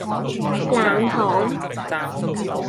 冷巷